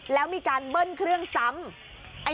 แล้วมีการเบิ้ลเครื่องซ้ำ